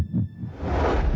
lu sendiri sya